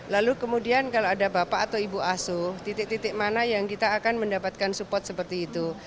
lalu kemudian kalau ada bapak atau ibu asuh titik titik mana yang kita akan mendapatkan support seperti itu